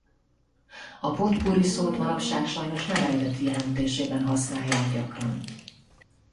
A pot-pourri szót manapság sajnos nem eredeti jelentésében használják gyakran.